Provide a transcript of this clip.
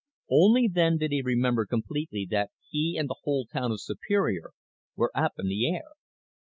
Only then did he remember completely that he and the whole town of Superior were up in the air.